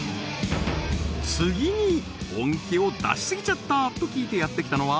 次に本気を出しすぎちゃったと聞いてやってきたのは